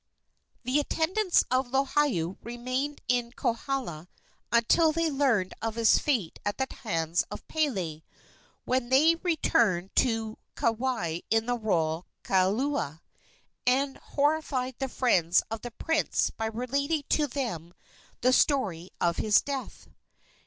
The attendants of Lohiau remained in Kohala until they learned of his fate at the hands of Pele, when they returned to Kauai in the royal kaulua, and horrified the friends of the prince by relating to them the story of his death.